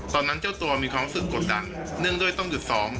เจ้าตัวมีความรู้สึกกดดันเนื่องด้วยต้องหยุดซ้อม